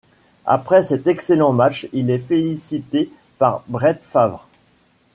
Après cet excellent match, il est félicité par Brett Favre.